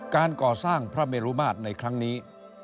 การก่อสร้างพระเมรุมาตรในครั้งนี้